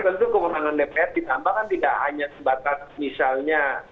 tentu kemenangan dpr ditambahkan tidak hanya sebatas misalnya